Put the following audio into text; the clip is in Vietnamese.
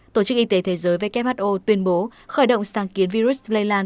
tổ chức y tế thế giới who tuyên bố khởi động sáng kiến virus lây lan